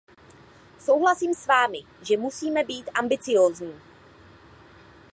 Souhlasím s vámi, že musíme být ambiciózní.